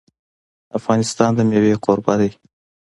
افغانستان د مېوې کوربه دی.